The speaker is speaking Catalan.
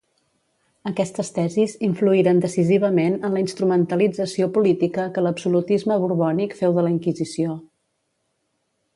Aquestes tesis influïren decisivament en la instrumentalització política que l'absolutisme borbònic féu de la Inquisició.